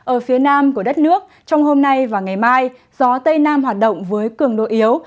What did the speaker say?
ở phía nam của đất nước trong hôm nay và ngày mai gió tây nam hoạt động với cường độ yếu